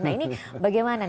nah ini bagaimana nih